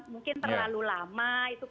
mungkin terlalu lama